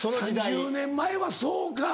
３０年前はそうか。